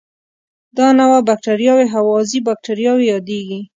دا نوعه بکټریاوې هوازی باکتریاوې یادیږي.